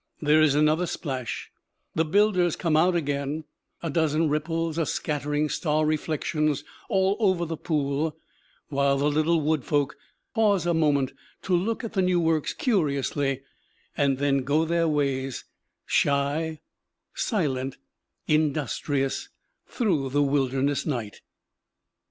There is another splash; the builders come out again; a dozen ripples are scattering star reflections all over the pool; while the little wood folk pause a moment to look at the new works curiously, then go their ways, shy, silent, industrious, through the wilderness night.